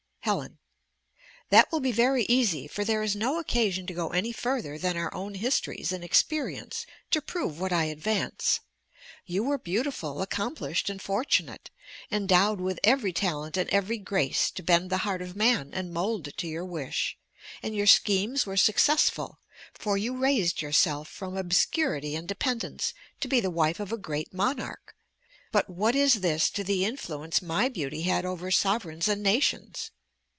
Helen That will be very easy; for there is no occasion to go any further than our own histories and experience to prove what I advance. You were beautiful, accomplished, and fortunate; endowed with every talent and every grace to bend the heart of man and mold it to your wish; and your schemes were successful; for you raised yourself from obscurity and dependence to be the wife of a great monarch. But what is this to the influence my beauty had over sovereigns and nations!